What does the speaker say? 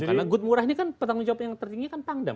karena goodmurah ini kan petanggung jawab yang tertinggi kan pangdam